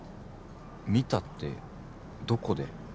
見たってどこで？